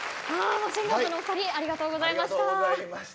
マシンガンズのお２人ありがとうございました。